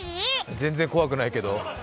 全然怖くないけど？